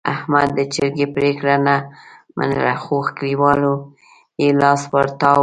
احمد د جرګې پرېګړه نه منله، خو کلیوالو یې لاس ورتاو کړ.